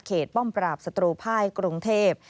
ป้อมปราบศัตรูภายกรุงเทพ